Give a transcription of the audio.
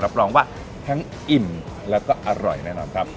รับรองว่าทั้งอิ่มแล้วก็อร่อยแน่นอนครับ